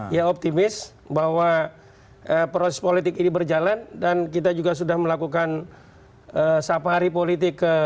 ya optimis bahwa proses politik ini berjalan dan kita juga sudah melakukan safari politik ke